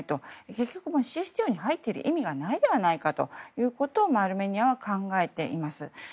結局ＣＳＴＯに入っている意味がないではないかということをアルメニアは考えています。